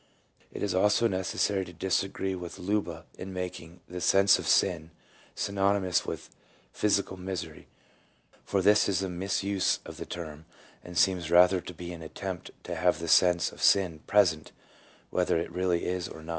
It is also necessary to disagree with Leuba in making "the sense of sin" synony mous with " physical misery," for this is a misuse of the term, and seems rather to be an attempt to have the sense of sin present whether it really is or not ; 1 E.